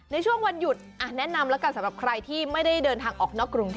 ในช่วงวันหยุดแนะนำแล้วกันสำหรับใครที่ไม่ได้เดินทางออกนอกกรุงเทพ